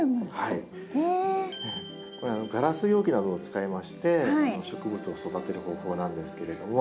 これガラス容器などを使いまして植物を育てる方法なんですけれども。